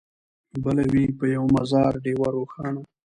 بله وي په یوه مزار ډېوه روښانه